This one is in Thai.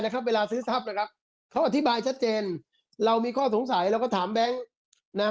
เขาอธิบายชัดเจนเรามีข้อสงสัยเราก็ถามแบงค์